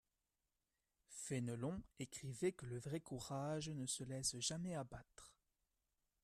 Fénelon écrivait que le vrai courage ne se laisse jamais abattre.